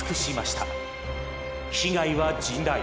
被害は甚大。